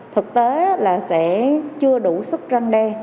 thực tế là sẽ chưa đủ sức răng đe